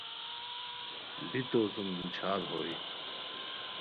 بی تو سُم دوچھار ہوئے